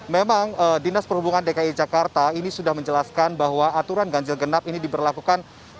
memang dinas perhubungan dki jakarta ini sudah menjelaskan bahwa aturan ganjil genap ini diberlakukan